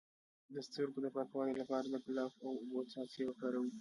د سترګو د پاکوالي لپاره د ګلاب او اوبو څاڅکي وکاروئ